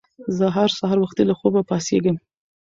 زه هر سهار وختي له خوبه پاڅېږم